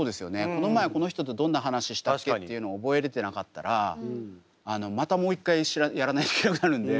この前この人とどんな話したっけっていうのを覚えれてなかったらまたもう一回やらないといけなくなるんで。